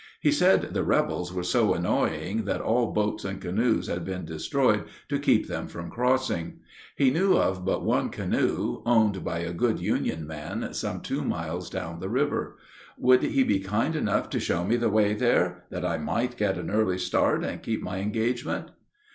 He said the rebels were so annoying that all boats and canoes had been destroyed to keep them from crossing. He knew of but one canoe, owned by a good Union man some two miles down the river. Would he be kind enough to show me the way there, that I might get an early start and keep my engagement?